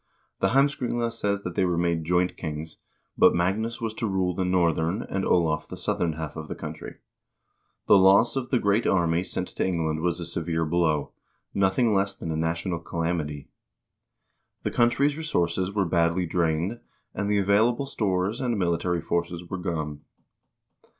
The " Heimskringla " says that they were made joint kings, but Magnus was to rule the northern and Olav the southern half of the country.1 The loss of the great army sent to England was a severe blow; nothing less than a na tional calamity. The country's resources were badly drained, and the available stores and military forces were gone.